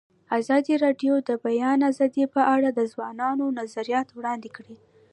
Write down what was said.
ازادي راډیو د د بیان آزادي په اړه د ځوانانو نظریات وړاندې کړي.